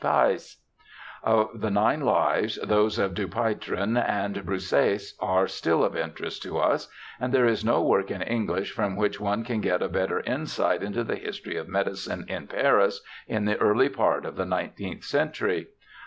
Peisse. Of the nine lives, those of Dupuytren and Broussais are still of interest to us, and there is no work in English from which one can get a better insight into the history of medicine in Paris in the early part of the nineteenth century.